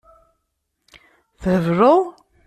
Thebleḍ?